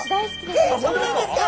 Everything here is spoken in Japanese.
えそうなんですか？